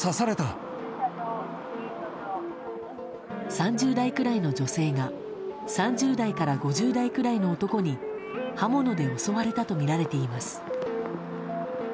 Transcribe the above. ３０代くらいの女性が３０代から５０代くらいの男に刃物で襲われたとみられています。